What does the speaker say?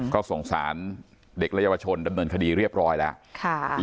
ก็สงสารเด็กและเยาวชนดำเนินคดีเรียบร้อยแล้ว